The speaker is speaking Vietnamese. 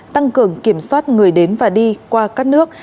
tăng cường kiểm soát người đến và đi qua các nước